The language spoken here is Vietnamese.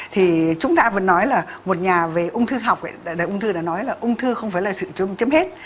thì chúng ta vừa nói là một nhà về ung thư học đại ung thư đã nói là ung thư không phải là sự chấm hết